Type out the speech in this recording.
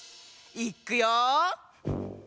いっくよ！